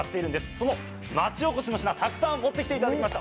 その町おこしの品、たくさん持ってきていただきました。